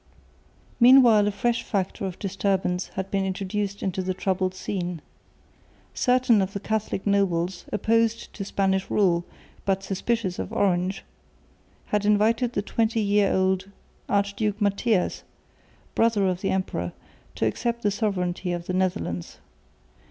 Meanwhile a fresh factor of disturbance had been introduced into the troubled scene. Certain of the Catholic nobles opposed to Spanish rule, but suspicious of Orange, had invited the twenty year old Archduke Matthias, brother of the emperor, to accept the sovereignty of the Netherlands.